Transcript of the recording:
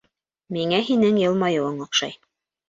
Миңә һинең йылмайыуың оҡшай